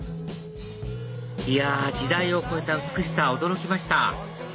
いや時代を超えた美しさ驚きました